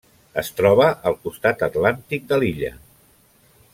Es troba al costat atlàntic de l'illa.